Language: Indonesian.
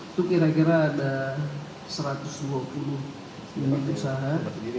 itu kira kira ada satu ratus dua puluh unit usaha